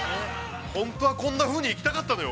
◆本当はこんなふうに生きたかったのよ。